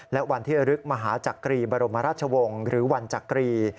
และวันที่ระลึกมหาจักรีบรมราชวงศ์หรือวันจักรี